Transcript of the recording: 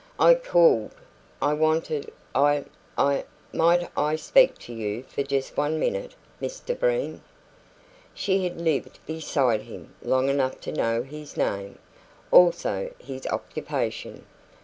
"I called I wanted I I MIGHT I speak to you for just one minute, Mr Breen?" She had lived beside him long enough to know his name, also his occupation.